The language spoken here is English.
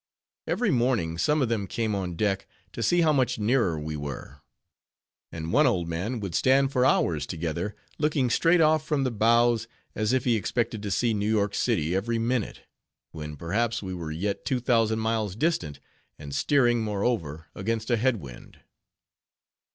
Every morning some of them came on deck, to see how much nearer we were: and one old man would stand for hours together, looking straight off from the bows, as if he expected to see New York city every minute, when, perhaps, we were yet two thousand miles distant, and steering, moreover, against a head wind.